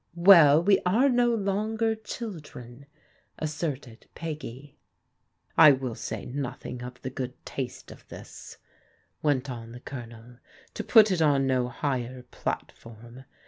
" Well, we are no longer children," asserted Peggy. 54 PEODIGAL DAUGHTERS " I will say nothing of the good taste of this," went on the Colonel, " to put it on no higher platform.